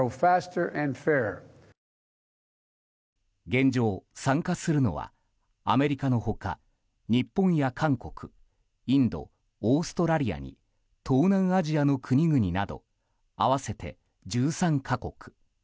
現状、参加するのはアメリカの他、日本や韓国インド、オーストラリアに東南アジアの国々など合わせて１３か国。